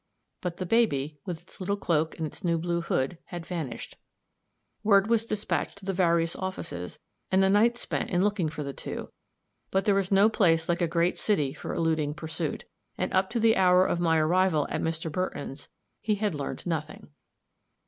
But the baby, with its little cloak and its new blue hood, had vanished. Word was dispatched to the various offices, and the night spent in looking for the two; but there is no place like a great city for eluding pursuit; and up to the hour of my arrival at Mr. Burton's he had learned nothing.